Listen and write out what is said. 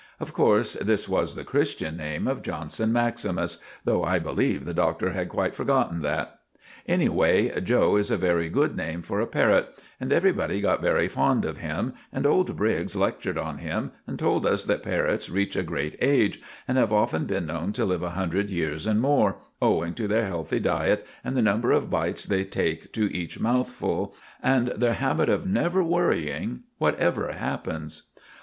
Of course this was the Christian name of Johnson maximus, though I believe the Doctor had quite forgotten that. Anyway, 'Joe' is a very good name for a parrot, and everybody got very fond of him, and old Briggs lectured on him and told us that parrots reach a great age, and have often been known to live a hundred years and more, owing to their healthy diet and the number of bites they take to each mouthful, and their habit of never worrying whatever happens.